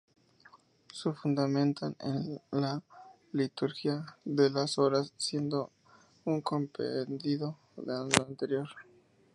Se fundamentan en la "Liturgia de las Horas", siendo un compendio del anterior.